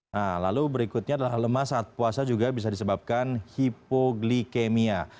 nah lalu berikutnya adalah lemas saat puasa juga bisa disebabkan hipoglikemia